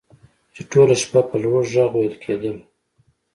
چې ټوله شپه په لوړ غږ ویل کیدل